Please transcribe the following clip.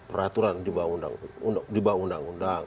peraturan di bawah undang undang